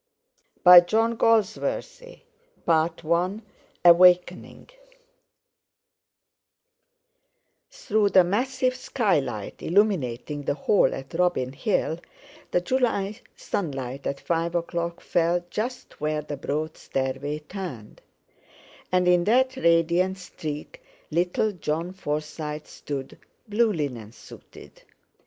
By John Galsworthy AWAKENING TO CHARLES SCRIBNER AWAKENING Through the massive skylight illuminating the hall at Robin Hill, the July sunlight at five o'clock fell just where the broad stairway turned; and in that radiant streak little Jon Forsyte stood, blue linen suited.